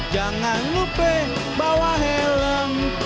jangan lupa bawa helm